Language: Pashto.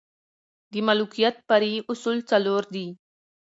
د ملوکیت فرعي اصول څلور دي.